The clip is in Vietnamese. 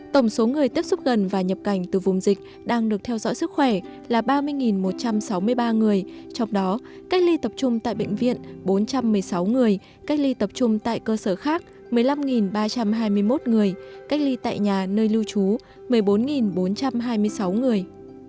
tổng số người tiếp xúc gần và nhập cảnh từ vùng dịch đang được theo dõi sức khỏe là ba mươi một trăm sáu mươi ba người trong đó cách ly tập trung tại bệnh viện bốn trăm một mươi sáu người cách ly tập trung tại cơ sở khác một mươi năm ba trăm hai mươi một người cách ly tại nhà nơi lưu trú một mươi bốn bốn trăm hai mươi sáu người